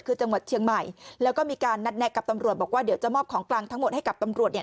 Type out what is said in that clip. คือจังหวัดเชียงใหม่แล้วก็มีการนัดแนะกับตำรวจบอกว่าเดี๋ยวจะมอบของกลางทั้งหมดให้กับตำรวจเนี่ย